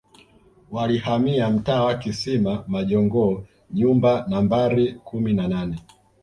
Walihamia mtaa wa Kisima majongoo nyumba Nambari kumi na nane